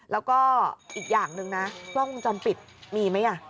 แล้วก็อีกอย่างหนึ่งนะกล้องวงจรปิดมีไหม